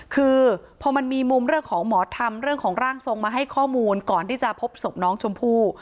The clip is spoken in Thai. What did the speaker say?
คือพอมันมีมุมเรื่องของหมอธรรมเรื่องของร่างทรงมาให้ข้อมูลก่อนที่จะพบศพน้องชมพู่